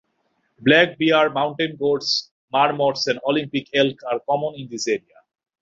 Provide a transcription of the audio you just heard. Black Bear, mountain goats, marmots, and Olympic Elk are common in this area.